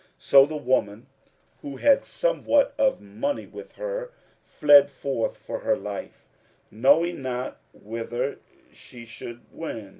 So the woman, who had somewhat of money with her, fled forth for her life, knowing not whither she should wend.